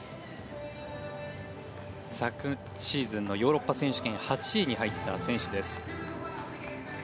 昨シーズンのヨーロッパ選手権８位に入った選手です。